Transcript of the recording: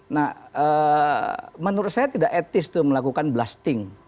nah menurut saya tidak etis tuh melakukan blasting